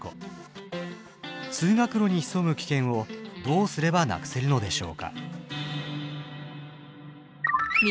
通学路に潜む危険をどうすればなくせるのでしょうか？